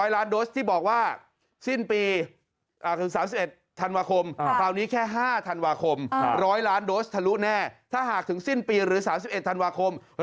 ๑๐๐ล้านโดสด์ที่บอกว่าสิ้นปีถือ๓๑ธันวาคม